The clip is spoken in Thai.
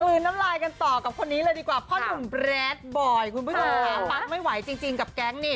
น้ำลายกันต่อกับคนนี้เลยดีกว่าพ่อหนุ่มแบรดบอยคุณผู้ชมค่ะปั๊กไม่ไหวจริงกับแก๊งนี่